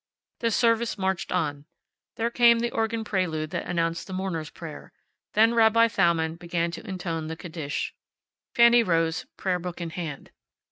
The service marched on. There came the organ prelude that announced the mourners' prayer. Then Rabbi Thalmann began to intone the Kaddish. Fanny rose, prayer book in hand.